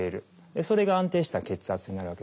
それが安定した血圧になるわけですね。